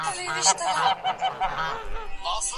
که د هلک کورنۍ درواغ ووايي څه به پېښ سي؟